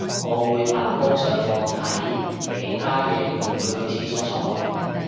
我會扮工上網睇其他嘢唔會去廁所坐